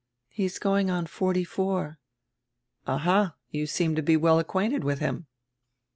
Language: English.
"He is going on forty four." "Alia, you seem to be well acquainted with him."